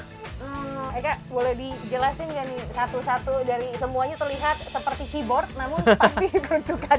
eka boleh dijelasin nggak nih satu satu dari semuanya terlihat seperti keyboard